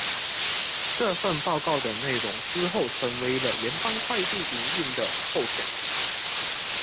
这份报告的内容之后成为了联邦快递营运的构想。